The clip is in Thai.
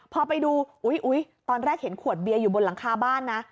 พอไปดูอุ๊ยตอนแรกเห็นขวดเบียร์อยู่บนหลังคาบ้านนะ